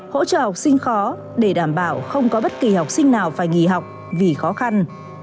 hỗ trợ học sinh khó để đảm bảo không có bất kỳ học sinh nào phải nghỉ học vì khó khăn